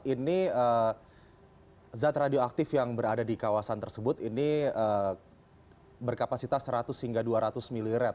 ini zat radioaktif yang berada di kawasan tersebut ini berkapasitas seratus hingga dua ratus ml